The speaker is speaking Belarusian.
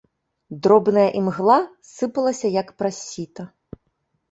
Дробная імгла сыпалася як праз сіта.